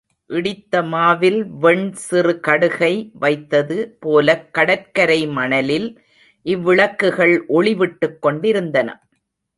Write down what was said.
இடித்த மாவில் வெண்சிறுகடுகை வைத்தது போலக் கடற்கரை மணலில் இவ்விளக்குகள் ஒளி விட்டுக் கொண்டிருந்தன.